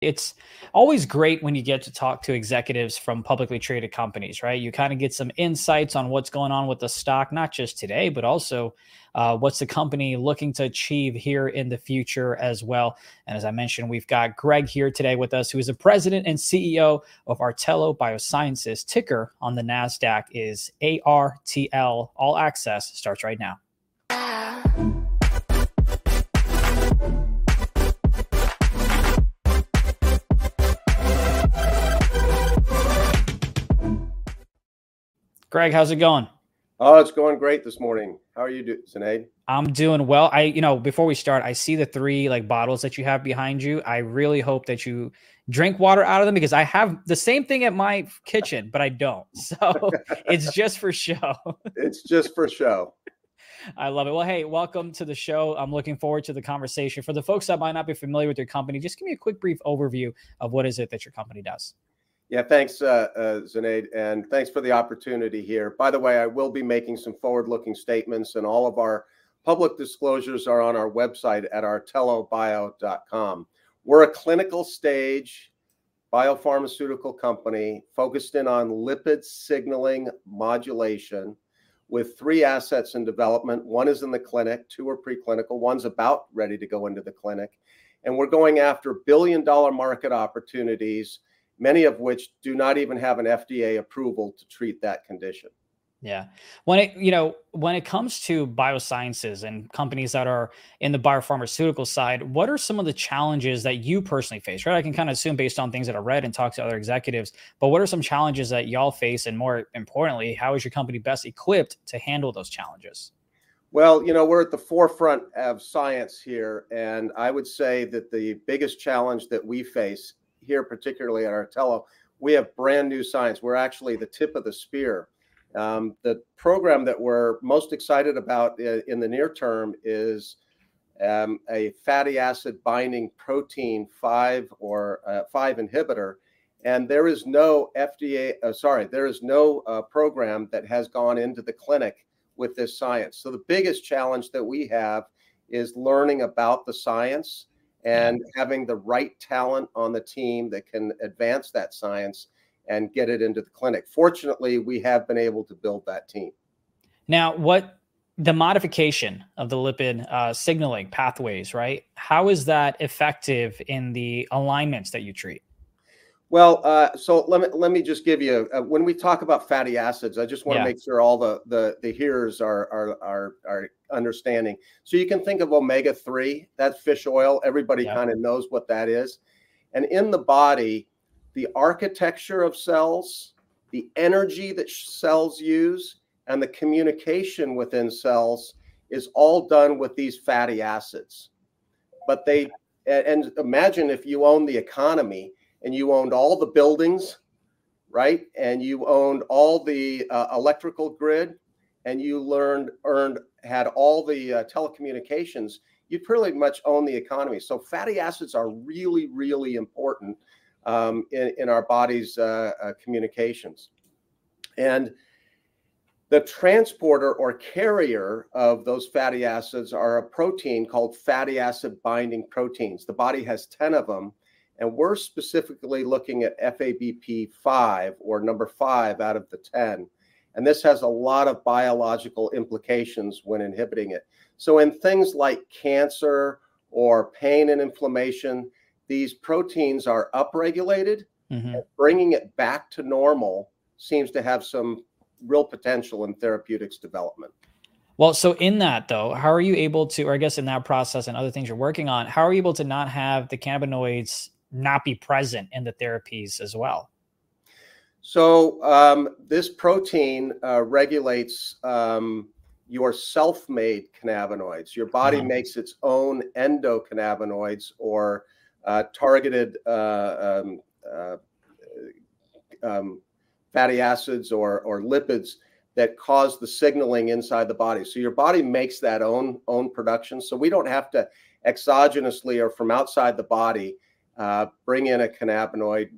It's always great when you get to talk to executives from publicly traded companies, right? You kind of get some insights on what's going on with the stock, not just today, but also, what's the company looking to achieve here in the future as well. As I mentioned, we've got Greg here today with us, who is the President and CEO of Artelo Biosciences. Ticker on the NASDAQ is ARTL, All Access starts right now. Greg, how's it going? Oh, it's going great this morning. How are you doing, Sinead? I'm doing well. I, you know, before we start, I see the 3, like, bottles that you have behind you. I really hope that you drink water out of them because I have the same thing at my kitchen, but I don't, so it's just for show. It's just for show. I love it. Well, hey, welcome to the show. I'm looking forward to the conversation. For the folks that might not be familiar with your company, just give me a quick brief overview of what is it that your company does. Yeah, thanks, Sinead, and thanks for the opportunity here. By the way, I will be making some forward-looking statements, and all of our public disclosures are on our website at artelobio.com. We're a clinical-stage biopharmaceutical company focused in on lipid signaling modulation with three assets in development. One is in the clinic, two are preclinical, one's about ready to go into the clinic, and we're going after billion-dollar market opportunities, many of which do not even have an FDA approval to treat that condition. Yeah. You know, when it comes to biosciences and companies that are in the biopharmaceutical side, what are some of the challenges that you personally face, right? I can kind of assume based on things that I read and talked to other executives, but what are some challenges that y'all face, and more importantly, how is your company best equipped to handle those challenges? Well, you know, we're at the forefront of science here, and I would say that the biggest challenge that we face here, particularly at Artelo, we have brand new science. We're actually the tip of the spear. The program that we're most excited about, in the near term is, a Fatty Acid Binding Protein 5 inhibitor, and there is no program that has gone into the clinic with this science. So, the biggest challenge that we have is learning about the science and having the right talent on the team that can advance that science and get it into the clinic. Fortunately, we have been able to build that team. Now, what the modification of the lipid signaling pathways, right, how is that effective in the ailments that you treat? Well, so let me just give you a, when we talk about fatty acids, I just want to make sure all the hearers are understanding. So, you can think of omega-3, that fish oil, everybody kind of knows what that is. And in the body, the architecture of cells, the energy that cells use, and the communication within cells is all done with these fatty acids. But imagine if you owned the economy and you owned all the electrical grid and you had all the telecommunications, you'd pretty much own the economy. So, fatty acids are really, really important in our body's communications. And the transporter or carrier of those fatty acids are a protein called fatty acid binding proteins. The body has 10 of them, and we're specifically looking at FABP5 or number 5 out of the 10, and this has a lot of biological implications when inhibiting it. So, in things like cancer or pain and inflammation, these proteins are upregulated and bringing it back to normal seems to have some real potential in therapeutics development. Well, so in that, though, how are you able to, or I guess in that process and other things you're working on, how are you able to not have the cannabinoids not be present in the therapies as well? So, this protein regulates your self-made cannabinoids. Your body makes its own endocannabinoids or targeted fatty acids or lipids that cause the signaling inside the body. So, your body makes that own production, so we don't have to exogenously or from outside the body bring in a cannabinoid.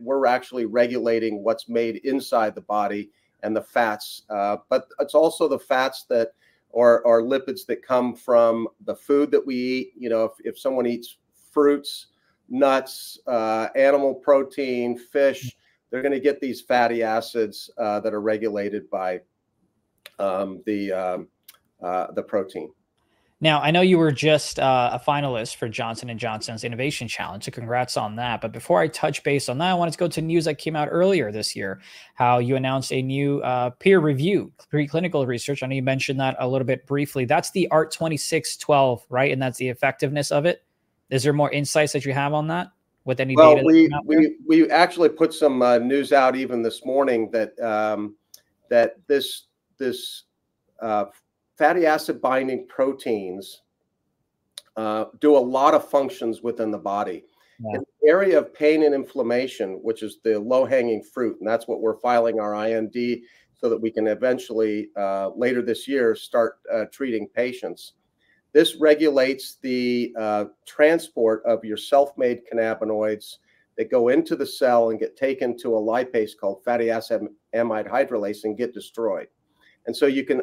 We're actually regulating what's made inside the body and the fats, but it's also the fats that or lipids that come from the food that we eat. You know, if someone eats fruits, nuts, animal protein, fish, they're going to get these fatty acids that are regulated by the protein. Now, I know you were just a finalist for Johnson & Johnson's Innovation Challenge, so congrats on that. But before I touch base on that, I wanted to go to news that came out earlier this year, how you announced a new peer review preclinical research. I know you mentioned that a little bit briefly. That's the ART26.12, right, and that's the effectiveness of it. Is there more insights that you have on that with any data? Well, we actually put some news out even this morning that this fatty acid binding proteins do a lot of functions within the body. In the area of pain and inflammation, which is the low-hanging fruit, and that's what we're filing our IND so that we can eventually, later this year start treating patients. This regulates the transport of your self-made cannabinoids that go into the cell and get taken to a lipase called Fatty Acid Amide Hydrolase and get destroyed. And so, you can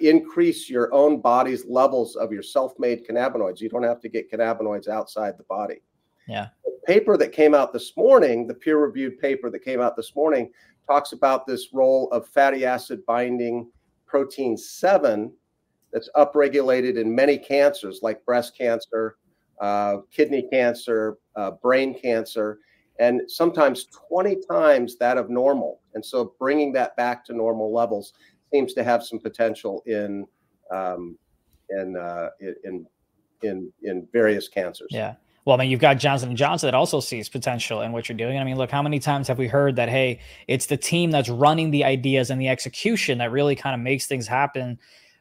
increase your own body's levels of your self-made cannabinoids. You don't have to get cannabinoids outside the body. Yeah. The paper that came out this morning, the peer-reviewed paper that came out this morning, talks about this role of Fatty Acid Binding Protein 7 that's upregulated in many cancers like breast cancer, kidney cancer, brain cancer, and sometimes 20 times that of normal. And so bringing that back to normal levels seems to have some potential in various cancers. Yeah. Well, I mean, you've got Johnson & Johnson that also sees potential in what you're doing. I mean, look, how many times have we heard that, hey, it's the team that's running the ideas and the execution that really kind of makes things happen?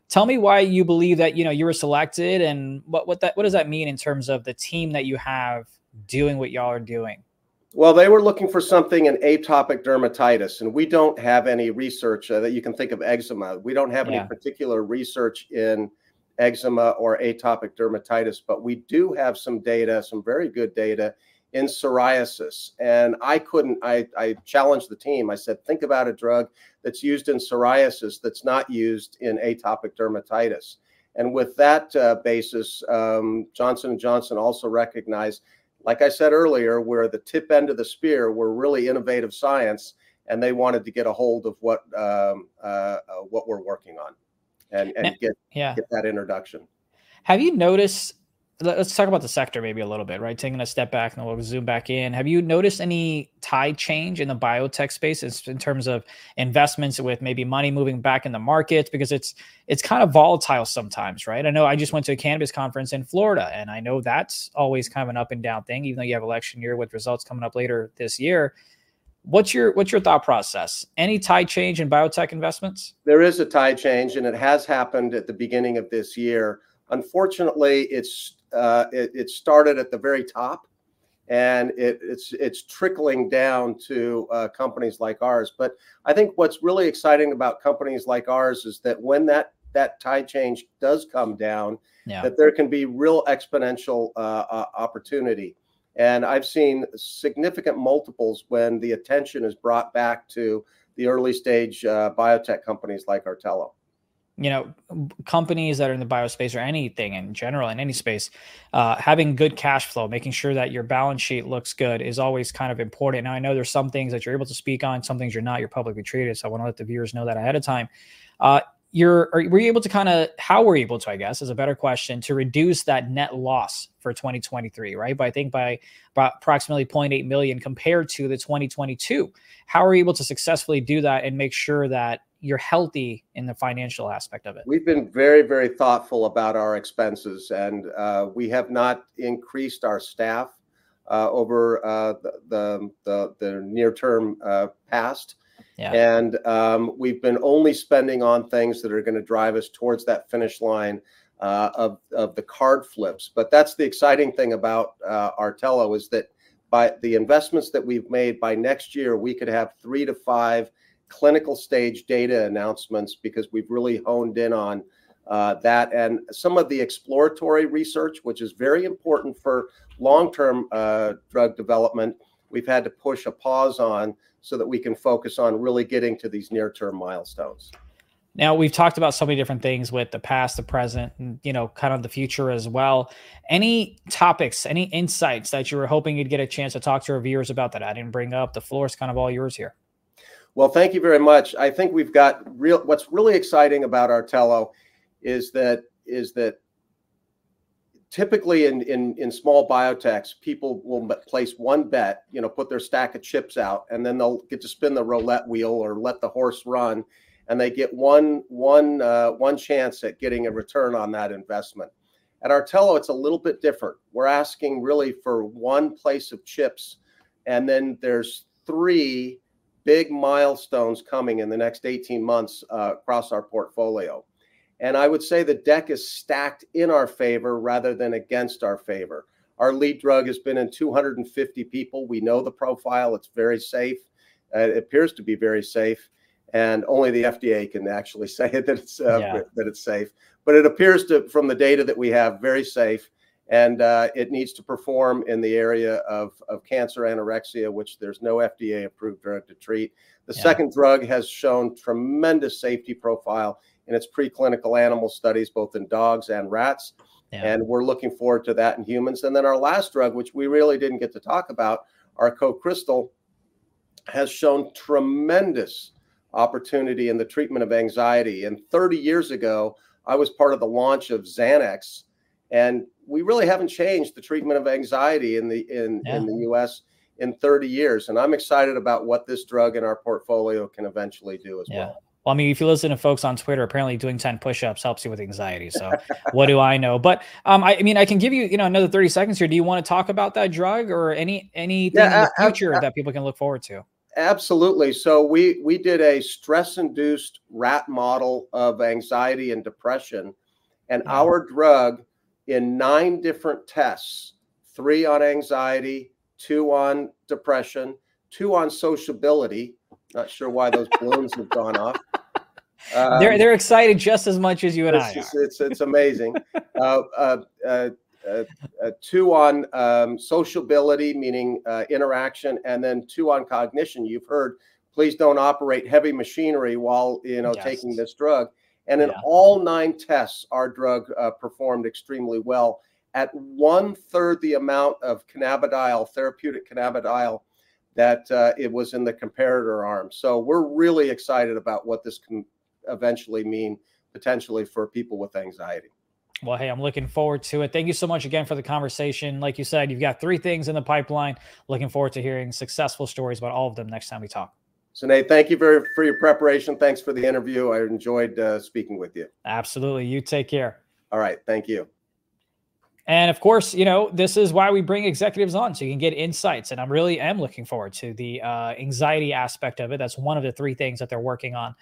Tell me why you believe that, you know, you were selected, and what, what does that mean in terms of the team that you have doing what y'all are doing? Well, they were looking for something in atopic dermatitis, and we don't have any research, that you can think of, eczema. We don't have any particular research in eczema or atopic dermatitis, but we do have some data, some very good data in psoriasis. And I challenged the team. I said, "Think about a drug that's used in psoriasis that's not used in atopic dermatitis." And with that basis, Johnson & Johnson also recognized, like I said earlier, we're the tip end of the spear. We're really innovative science, and they wanted to get a hold of what we're working on and get that introduction. Have you noticed? Let's talk about the sector maybe a little bit, right? Taking a step back and we'll zoom back in. Have you noticed any tide change in the biotech space in terms of investments with maybe money moving back in the markets? Because it's, it's kind of volatile sometimes, right? I know I just went to a cannabis conference in Florida, and I know that's always kind of an up-and-down thing, even though you have election year with results coming up later this year. What's your, what's your thought process? Any tide change in biotech investments? There is a tide change, and it has happened at the beginning of this year. Unfortunately, it's started at the very top, and it's trickling down to companies like ours. But I think what's really exciting about companies like ours is that when that tide change does come down, there can be real exponential opportunity. And I've seen significant multiples when the attention is brought back to the early-stage biotech companies like Artelo. You know, companies that are in the biospace or anything in general, in any space, having good cash flow, making sure that your balance sheet looks good is always kind of important. Now, I know there's some things that you're able to speak on, some things you're not. You're publicly traded, so I want to let the viewers know that ahead of time. How were you able to, I guess is a better question, to reduce that net loss for 2023, right? By, I think, approximately $0.8 million compared to 2022. How were you able to successfully do that and make sure that you're healthy in the financial aspect of it? We've been very, very thoughtful about our expenses, and we have not increased our staff over the near-term past. Yeah. We've been only spending on things that are going to drive us towards that finish line of the card flips. But that's the exciting thing about Artelo is that by the investments that we've made by next year, we could have 3-5 clinical-stage data announcements because we've really honed in on that. And some of the exploratory research, which is very important for long-term drug development, we've had to push a pause on so that we can focus on really getting to these near-term milestones. Now, we've talked about so many different things with the past, the present, and, you know, kind of the future as well. Any topics, any insights that you were hoping you'd get a chance to talk to our viewers about that I didn't bring up? The floor's kind of all yours here. Well, thank you very much. I think we've got really what's really exciting about Artelo is that typically in small biotechs, people will place one bet, you know, put their stack of chips out, and then they'll get to spin the roulette wheel or let the horse run, and they get one chance at getting a return on that investment. At Artelo, it's a little bit different. We're asking really for one place of chips, and then there's three big milestones coming in the next 18 months, across our portfolio. And I would say the deck is stacked in our favor rather than against our favor. Our lead drug has been in 250 people. We know the profile. It's very safe. It appears to be very safe, and only the FDA can actually say that it's safe. But it appears to, from the data that we have, very safe, and it needs to perform in the area of cancer anorexia, which there's no FDA-approved drug to treat. The second drug has shown tremendous safety profile in its preclinical animal studies, both in dogs and rats, and we're looking forward to that in humans. And then our last drug, which we really didn't get to talk about, our cocrystal, has shown tremendous opportunity in the treatment of anxiety. And 30 years ago, I was part of the launch of Xanax, and we really haven't changed the treatment of anxiety in the, in, in the U.S. in 30 years. And I'm excited about what this drug in our portfolio can eventually do as well. Yeah. Well, I mean, if you listen to folks on Twitter apparently doing 10 pushups helps you with anxiety, so what do I know? But, I mean, I can give you, you know, another 30 seconds here. Do you want to talk about that drug or any future that people can look forward to? Absolutely. So, we did a stress-induced rat model of anxiety and depression, and our drug in 9 different tests, 3 on anxiety, 2 on depression, 2 on sociability. Not sure why those balloons have gone off. They're excited just as much as you and I are. It's amazing. 2 on sociability, meaning interaction, and then 2 on cognition. You've heard, "Please don't operate heavy machinery while, you know, taking this drug." And in all 9 tests, our drug performed extremely well at one-third the amount of cannabidiol, therapeutic cannabidiol, that it was in the comparator arm. So, we're really excited about what this can eventually mean, potentially, for people with anxiety. Well, hey, I'm looking forward to it. Thank you so much again for the conversation. Like you said, you've got three things in the pipeline. Looking forward to hearing successful stories about all of them next time we talk. Sinead, thank you very much for your preparation. Thanks for the interview. I enjoyed speaking with you. Absolutely. You take care. All right. Thank you. Of course, you know, this is why we bring executives on, so you can get insights. I really am looking forward to the anxiety aspect of it. That's one of the three things that they're working on.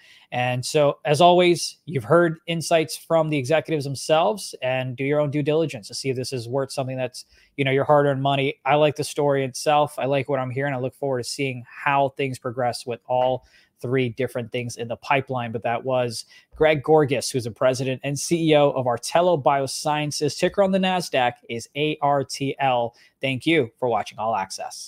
So, as always, you've heard insights from the executives themselves, and do your own due diligence to see if this is worth something that's, you know, your hard-earned money. I like the story itself. I like what I'm hearing. I look forward to seeing how things progress with all three different things in the pipeline. But that was Greg Gorgas, who's the President and CEO of Artelo Biosciences. Ticker on the NASDAQ is ARTL. Thank you for watching All Access.